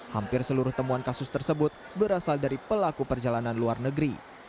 hampir seluruh temuan kasus tersebut berasal dari pelaku perjalanan luar negeri